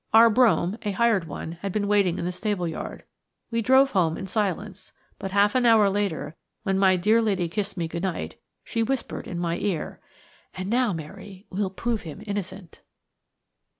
Our brougham–a hired one–had been waiting in the stable yard. We drove home in silence; but half an hour later, when my dear lady kissed me good night she whispered in my ear: "And now, Mary, we'll prove him innocent."